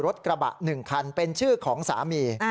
รถกระบะ๑คันเป็นชื่อของสามี